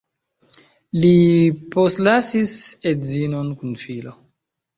Li postlasis edzinon kun filo.